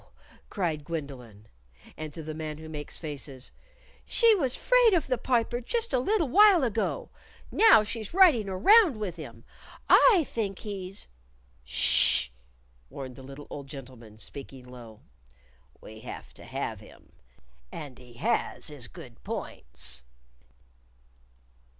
_" cried Gwendolyn. And to the Man Who Makes Faces, "She was 'fraid of the Piper just a little while ago. Now, she's riding around with him. I think he's " "Ssh!" warned the little old gentleman, speaking low. "We have to have him. And he has his good points."